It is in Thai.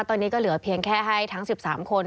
ตอนนี้ก็เหลือเพียงแค่ให้ทั้ง๑๓คน